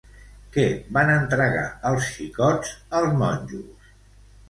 Què van entregar els xicots als monjos?